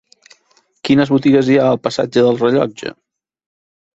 Quines botigues hi ha al passatge del Rellotge?